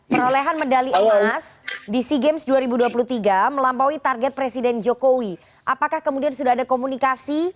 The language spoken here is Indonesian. perolehan medali emas di sea games dua ribu dua puluh tiga melampaui target presiden jokowi apakah kemudian sudah ada komunikasi